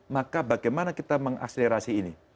maka bagaimana kita mengakselerasi ini